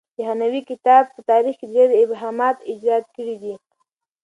د هانوې کتاب په تاریخ کې ډېر ابهامات ایجاد کړي دي.